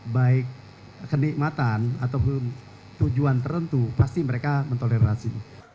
baik kenikmatan ataupun tujuan tertentu pasti mereka mentolerasi